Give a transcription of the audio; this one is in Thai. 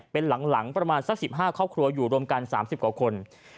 เป็นหลังประมาณสัก๑๕ครอบครัวอยู่รวมกัน๓๐กว่าคน